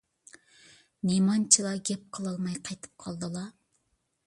نېمانچىلا گەپ قىلالماي قېتىپ قالدىلا؟